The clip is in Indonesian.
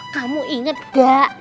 kamu inget gak